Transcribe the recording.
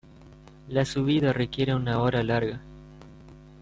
La subida requiere una hora larga.